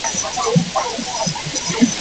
Abaana bonna mbakyusizza amasomero.